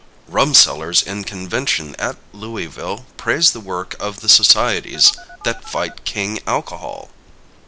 Rum Sellers in Convention at Louisville Praise the Work of the Societies that Fight King Alcohol.